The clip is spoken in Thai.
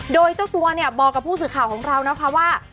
โดยเจ้าตัวเนี่ยบอกกับผู้สื่อข่าวของเรานะคะว่า